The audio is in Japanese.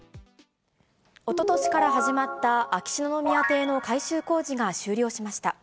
おととしから始まった、秋篠宮邸の改修工事が終了しました。